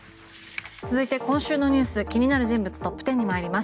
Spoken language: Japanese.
続いて、今週のニュース気になる人物トップ１０。